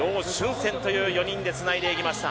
センという４人でつないでいきました。